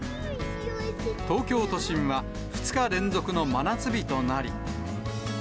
東京都心は２日連続の真夏日となり。